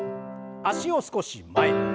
脚を少し前へ。